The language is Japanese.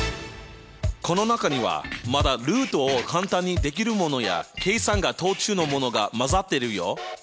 この中にはまだルートを簡単にできるものや計算が途中のものが混ざってるよ。